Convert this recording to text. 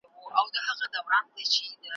د زمان هري شېبې ته انتها سته